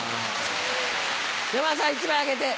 山田さん１枚あげて。